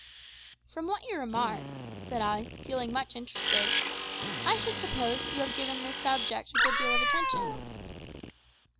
"From what you remark," said I, feeling much interested, "I should suppose that you have given this subject a good deal of attention."